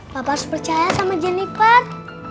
papa harus percaya sama jenniper